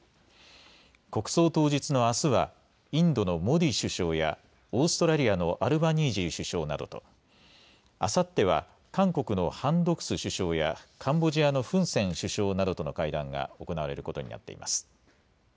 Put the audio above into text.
国葬当日のあすはインドのモディ首相やオーストラリアのアルバニージー首相などとあさっては韓国のハン・ドクス首相やカンボジアのフン・セン首相などとの会談が行われることになっています。